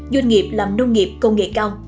doanh nghiệp làm nông nghiệp công nghệ cao